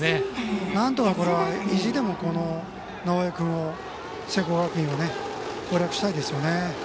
なんとか、これは意地でも直江君を聖光学院を攻略したいですよね。